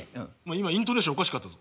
今イントネーションおかしかったぞ。